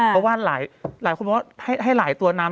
เพราะว่าหลายคนบอกว่าให้หลายตัวน้ำ